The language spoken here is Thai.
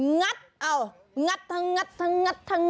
งัดอะไร